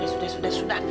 sudah sudah sudah